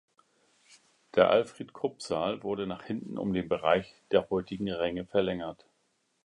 Der Alfried-Krupp-Saal wurde nach hinten um den Bereich der heutigen Ränge verlängert.